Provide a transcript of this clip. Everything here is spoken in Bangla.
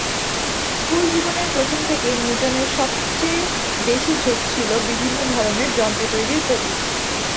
স্কুল জীবনের প্রথম থেকেই নিউটনের সবচেয়ে বেশি ঝোঁক ছিল বিভিন্ন ধরনের যন্ত্র তৈরির প্রতি।